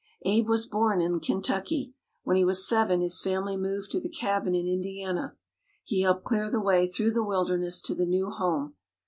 Abe was born in Kentucky. When he was seven, his family moved to the cabin in Indiana. He helped clear the way through the wilderness to the new home.